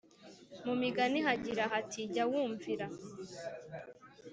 Mu Migani hagira hati Jya wumvira